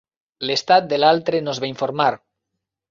L'estat de l'altre no es va informar.